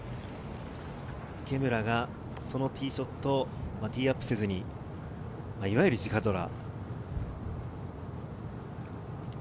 池村がそのティーショット、ティーアップせずに、いわゆる直ドラ。